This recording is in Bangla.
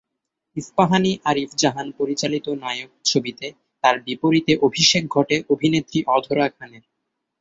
ইস্পাহানী-আরিফ জাহান পরিচালিত "নায়ক" ছবিতে তার বিপরীতে অভিষেক ঘটে অভিনেত্রী অধরা খানের।